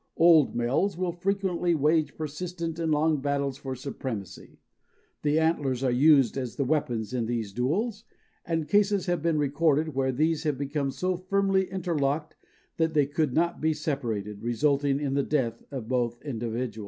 Old males will frequently wage persistent and long battles for supremacy. The antlers are used as the weapons in these duels, and cases have been recorded where these have become so firmly interlocked that they could not be separated, resulting in the death of both individuals.